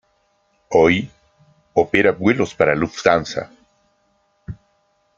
Hoy, opera vuelos para Lufthansa.